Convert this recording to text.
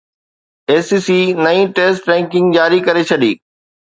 اي C C نئين test ranking جاري ڪري ڇڏي